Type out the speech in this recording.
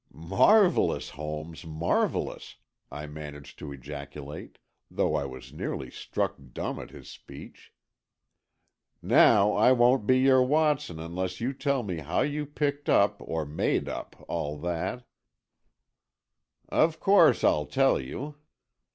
"Marvellous, Holmes, marvellous!" I managed to ejaculate, though I was nearly struck dumb at his speech. "Now, I won't be your Watson, unless you tell me how you picked up, or made up, all that." "Of course, I'll tell you.